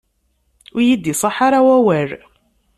Ur yi-d-iṣaḥ ara wawal.